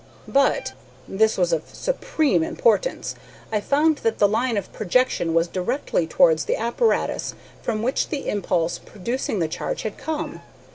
But and this was of supreme importance I found that the line of projection was directly towards the apparatus from which the impulse producing the charge had come.